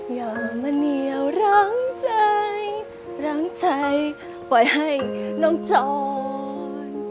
อย่ามาเหนียวร้างใจรั้งใจปล่อยให้น้องจร